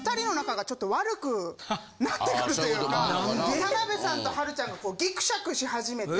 田辺さんとはるちゃんがギクシャクし始めて。